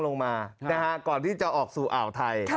ลงมานะครับก่อนที่จะออกสู่เอาไทย